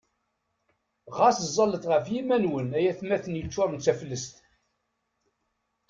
Ɣas ẓallet ɣef yiman-nwen ay atmaten yeččuren d taflest!